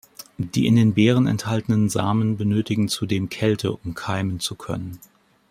Die in den Beeren enthaltenen Samen benötigen zudem Kälte, um keimen zu können.